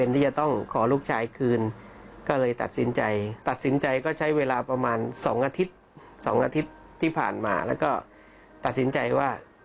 สองอาทิตย์ที่ผ่านมาแล้วก็ตัดสินใจว่า